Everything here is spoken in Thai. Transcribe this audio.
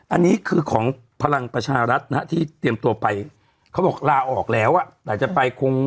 อันนี้คือของพลังประชารัฐนะฮะที่เตรียมตัวไปเขาบอกลาออกแล้วอ่ะแต่จะไปคง